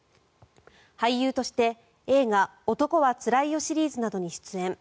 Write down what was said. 俳優として、映画「男はつらいよ」シリーズなどに出演。